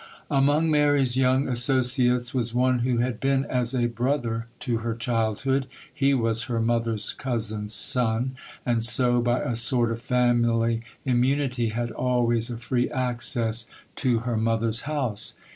Among Mary's young associates was one who had been as a brother to her childhood. He was her mother's cousin's son,—and so, by a sort of family immunity, had always a free access to her mother's house.